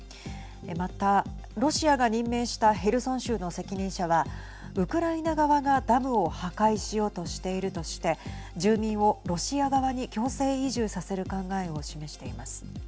また、ロシアが任命したヘルソン州の責任者はウクライナ側がダムを破壊しようとしているとして住民をロシア側に強制移住させる考えを示しています。